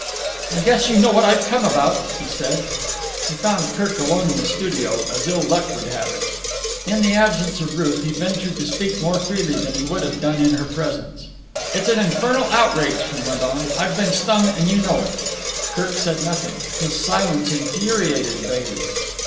"I guess you know what I've come about," he said. He had found Kirk alone in the studio, as ill luck would have it. In the absence of Ruth he ventured to speak more freely than he would have done in her presence. "It's an infernal outrage," he went on. "I've been stung, and you know it." Kirk said nothing. His silence infuriated Bailey.